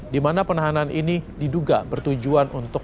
di mana penahanan ini diduga bertujuan untuk